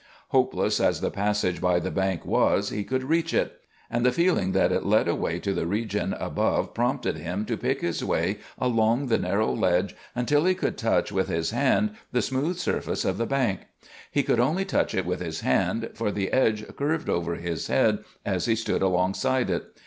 Hopeless as the passage by the bank was, he could reach it; and the feeling that it led away to the region above prompted him to pick his way along the narrow ledge until he could touch with his hand the smooth surface of the bank. He could only touch it with his hand, for the edge curved over his head as he stood alongside it.